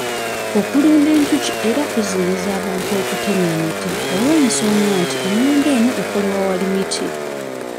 Okulunda enjuki era kuziyiza abantu okutema emiti olw'ensonga nti ennunda eno ekolebwa wali miti.